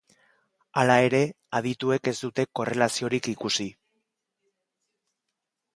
Hala ere, adituek ez dute korrelaziorik ikusi.